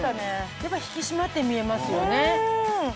やっぱり引き締まって見えますよね。